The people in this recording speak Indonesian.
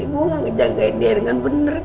gue gak ngejagain dia dengan bener